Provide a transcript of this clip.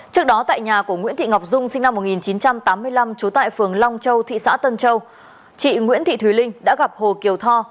trước đó tại nhà của nguyễn thị ngọc dung sinh năm một nghìn chín trăm tám mươi năm trú tại phường long châu thị xã tân châu chị nguyễn thị thùy linh đã gặp hồ kiều thò